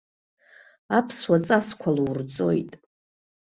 Аԥсуа ҵасқәа лурҵоит.